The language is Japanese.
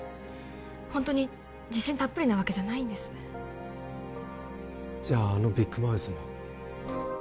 ホントに自信たっぷりなわけじゃないんですじゃああのビッグマウスも？